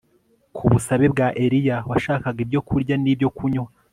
Ku busabe bwa Eliya washakaga ibyokurya nibyo kunywa